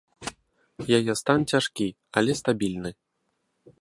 Яе стан цяжкі, але стабільны.